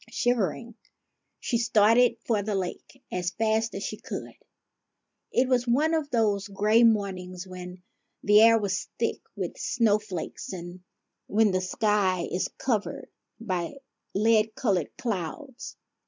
Shivering, she started for the lake as fast as she could. It was one of those gray mornings when the air was thick with snowflakes and when the sky is covered by lead colored clouds.